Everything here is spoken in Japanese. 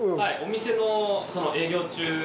お店の営業中。